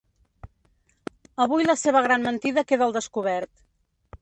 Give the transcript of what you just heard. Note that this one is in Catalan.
Avui la seva gran mentida queda al descobert.